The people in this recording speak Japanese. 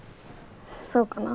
そうかな。